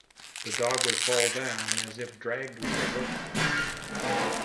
The dog would fall down as if dragged with a rope.